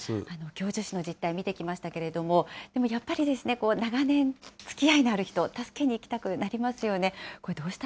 共助死の実態、見てきましたけれども、でもやっぱり、長年つきあいのある人、助けに行きたくなりますよね。